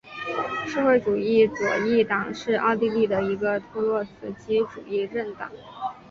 社会主义左翼党是奥地利的一个托洛茨基主义政党。